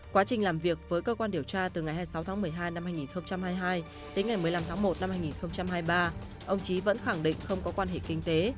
quá trình làm việc với cơ quan điều tra từ ngày hai mươi sáu tháng một mươi hai năm hai nghìn hai mươi hai đến ngày một mươi năm tháng một năm hai nghìn hai mươi ba ông trí vẫn khẳng định không có quan hệ kinh tế